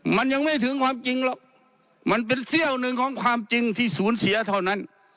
มันยังไม่ถึงความจริงหรอกมันเป็นเสี้ยวหนึ่งของความจริงที่ศูนย์เสียเท่านั้น